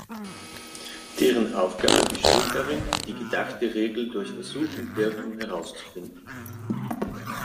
Deren Aufgabe besteht darin, die gedachte Regel durch Versuch und Irrtum herauszufinden.